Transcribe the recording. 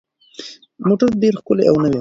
موټر ډېر ښکلی او نوی و.